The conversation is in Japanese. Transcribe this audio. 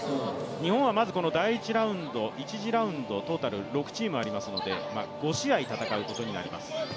日本はまずこの第１ラウンド、トータル６チームありますので、５試合戦うことになります。